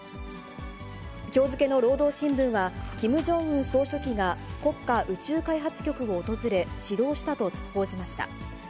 きょう付けの労働新聞は、キム・ジョンウン総書記が国家宇宙開発局を訪れ、指導したと報じました。